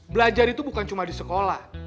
belajar itu bukan cuma di sekolah